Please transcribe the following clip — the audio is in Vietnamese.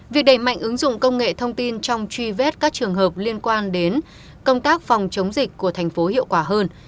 việc đẩy mạnh ứng dụng công nghệ thông tin trong truy vết các trường hợp liên quan đến công tác phòng chống dịch của thành phố hiệu quả hơn